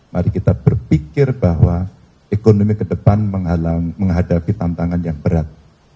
mari kita berpikir bahwa ekonomi ke depan menghadapi tantangan yang berat